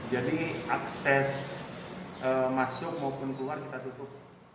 akses masuk maupun keluar kita tutup